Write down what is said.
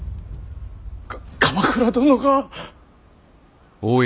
か鎌倉殿が。